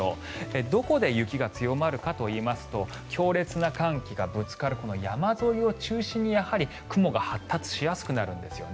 どこで雪が強まるかといいますと強烈な寒気がぶつかるこの山沿いを中心にやはり雲が発達しやすくなるんですよね。